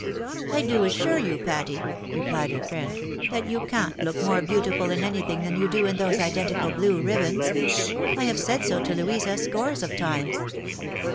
" I do assure you, Patty," replied her friend, " that you ■ can^t look more beautiful in anything than you do in those identical blue ribbons. I have said so to Louisa scores of times."